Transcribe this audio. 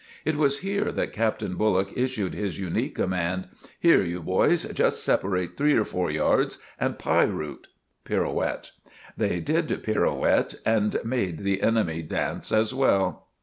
It was here that Captain Bullock issued his unique command: "Here, you boys, just separate three or four yards, and pie root!" (pirouette). They did pirouette and made the enemy dance as well.